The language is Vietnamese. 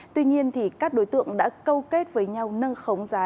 tuy nhiên các đối tượng đã câu kết với nhau nâng khống giá